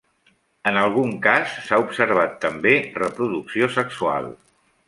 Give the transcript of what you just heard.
En algun cas s'ha observat també reproducció sexual.